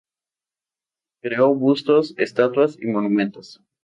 Creó bustos, estatuas y monumentos.